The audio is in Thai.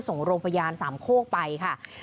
ส่งโรงพยาบาลสามโคกไปค่ะ